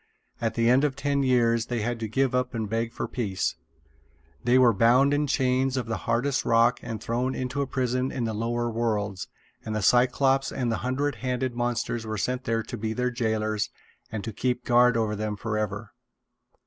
At the end of ten years they had to give up and beg for peace. They were bound in chains of the hardest rock and thrown into a prison in the Lower Worlds; and the Cyclopes and the hundred handed monsters were sent there to be their jailers and to keep guard over them forever.